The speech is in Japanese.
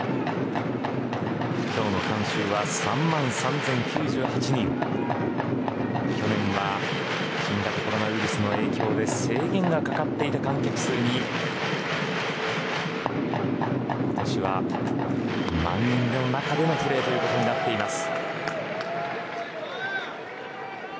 今日の観衆は３万３０９８人去年は新型コロナウイルスの影響で制限がかかっていた観客数に今年は満員の中でのプレーということになっています。